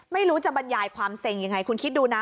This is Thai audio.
ไม่รู้จะบรรยายความเซ็งยังไงคุณคิดดูนะ